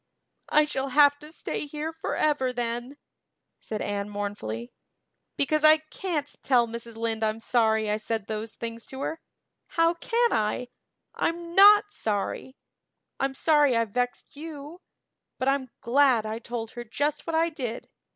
"I shall have to stay here forever then," said Anne mournfully, "because I can't tell Mrs. Lynde I'm sorry I said those things to her. How can I? I'm not sorry. I'm sorry I've vexed you; but I'm glad I told her just what I did.